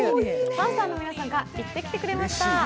パンサーの皆さんが行ってきてくれました。